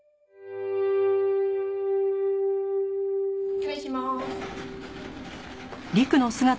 失礼します。